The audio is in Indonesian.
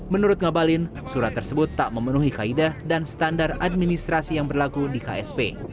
menurut ngabalin surat tersebut tak memenuhi kaedah dan standar administrasi yang berlaku di ksp